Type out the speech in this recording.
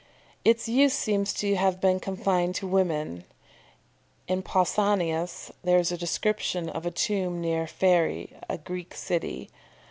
"] Its use seems to have been confined to women. In Pausanias there is a description of a tomb near Pharæ, a Greek city.